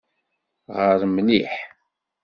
Ɣer mliḥ.